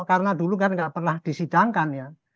karena dulu kan nggak pernah disidangkan ya